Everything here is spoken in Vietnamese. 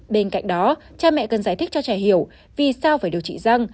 bên cạnh đó cha mẹ cần giải thích cho trẻ hiểu vì sao phải điều trị răng